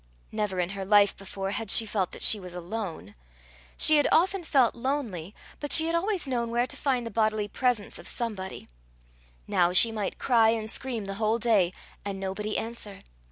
Never in her life before had she felt that she was alone. She had often felt lonely, but she had always known where to find the bodily presence of somebody. Now she might cry and scream the whole day, and nobody answer!